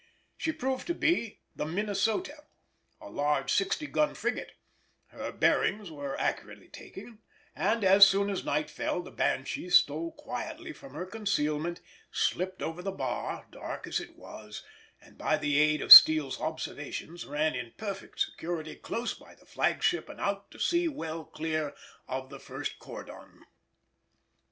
She proved to be the Minnesota, a large sixty gun frigate: her bearings were accurately taken, and as soon as night fell the Banshee stole quietly from her concealment, slipped over the bar, dark as it was, and by the aid of Steele's observations ran in perfect security close by the flagship and out to sea well clear of the first cordon.